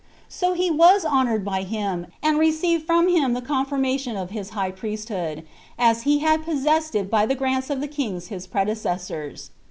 So he was honored by him, and received from him the confirmation of his high priesthood, as he had possessed it by the grants of the kings his predecessors.